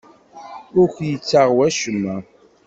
Ur k-yettaɣ wacemma.